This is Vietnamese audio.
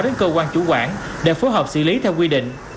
đến cơ quan chủ quản để phối hợp xử lý theo quy định